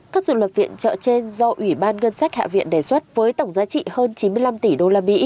các dự luật viện trợ trên do ủy ban ngân sách hạ viện đề xuất với tổng giá trị hơn chín mươi năm tỷ usd